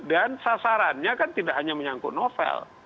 dan sasarannya kan tidak hanya menyangkut novel